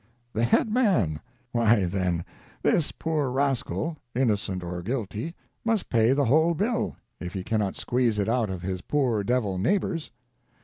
The "head man" ! Why, then, this poor rascal, innocent or guilty, must pay the whole bill, if he cannot squeeze it out of his poor devil neighbors.